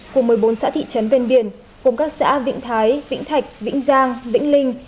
của một mươi bốn xã thị trấn bên biển cùng các xã vĩnh thái vĩnh thạch vĩnh giang vĩnh linh